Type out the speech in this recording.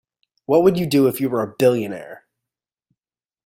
What would you do if you were a billionaire?